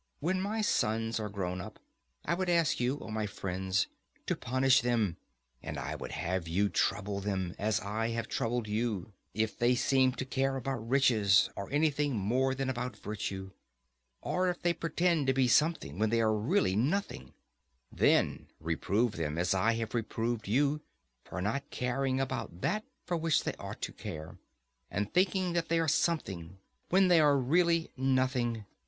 When my sons are grown up, I would ask you, O my friends, to punish them; and I would have you trouble them, as I have troubled you, if they seem to care about riches, or anything, more than about virtue; or if they pretend to be something when they are really nothing,—then reprove them, as I have reproved you, for not caring about that for which they ought to care, and thinking that they are something when they are really nothing.